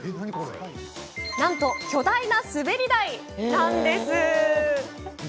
なんと巨大な滑り台です。